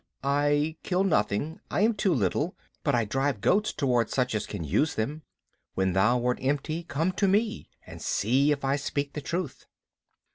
"I kill nothing, I am too little, but I drive goats toward such as can use them. When thou art empty come to me and see if I speak the truth.